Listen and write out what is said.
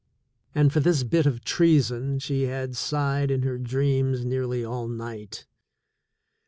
And for this bit of treason she had sighed in her dreams nearly all night.